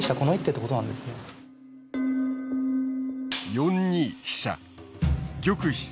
４二飛車。